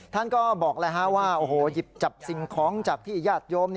ท่านก็บอกแล้วว่าโอ้โหหยิบจับสิ่งของจากที่ญาติโยม